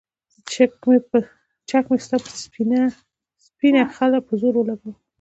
چک مې ستا پۀ سپينه خله پۀ زور اولګوو